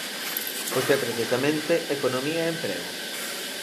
Pois é precisamente Economía e Emprego.